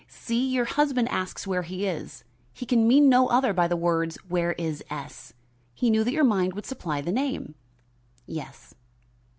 See! your husband asks where he is. He can mean no other by the words 'Where is S ?' He knew that your mind would supply the name." "Yes."